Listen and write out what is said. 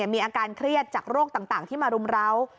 มีอาการเครียดจากโรคต่างที่มารุมร้าว